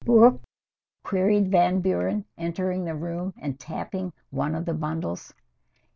"Books?" queried Van Buren, entering the room and tapping one of the bundles.